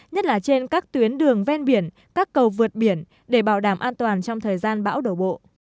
nhất là trên các tuyến đường ven biển các cầu vượt biển để bảo đảm an toàn trong thời gian bão đổ bộ